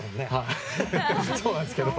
そうなんですけど。